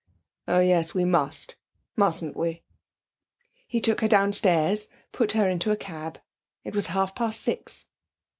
'Oh yes; we must, mustn't we?' He took her downstairs, put her into a cab. It was half past six.